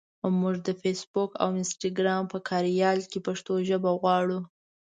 مونږ د فېسبوک او انسټګرام په کاریال کې پښتو ژبه غواړو.